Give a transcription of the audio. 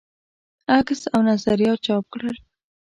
عکس او نظریات چاپ کړل.